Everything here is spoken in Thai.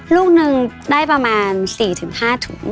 ลูกนึงได้ประมาณ๔๕ถุง